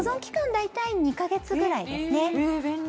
大体２か月ぐらいですね。